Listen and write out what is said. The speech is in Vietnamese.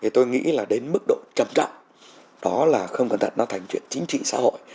tôi nghĩ là đến mức độ trầm trọng đó là không cẩn thận nó thành chuyện chính trị xã hội